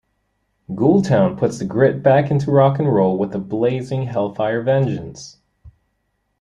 Ghoultown puts the grit back into rock 'n' roll with a blazing hellfire vengeance!